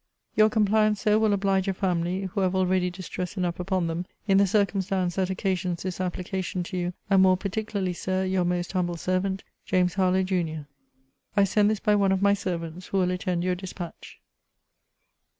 Your compliance, Sir, will oblige a family, (who have already distress enough upon them,) in the circumstance that occasions this application to you, and more particularly, Sir, Your most humble servant, JAMES HARLOWE, JUN. I send this by one of my servants, who will attend your dispatch.